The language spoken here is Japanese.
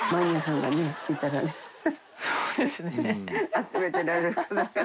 集めてられる方が。